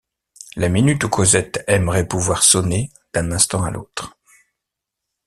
La minute où Cosette aimerait pouvait sonner d’un instant à l’autre.